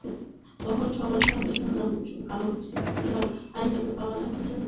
তখন সবার কাছে শুনতাম, ভালো সিনিয়র আইনজীবী পাওয়া নাকি ভীষণ ঝামেলার।